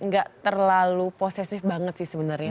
gak terlalu posesif banget sih sebenarnya